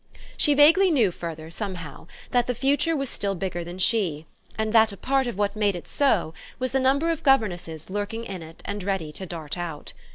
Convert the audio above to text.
She vaguely knew, further, somehow, that the future was still bigger than she, and that a part of what made it so was the number of governesses lurking in it and ready to dart out.